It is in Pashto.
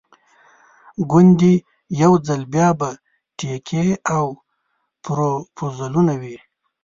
ګوندې یو ځل بیا به ټیکې او پروپوزلونه وي.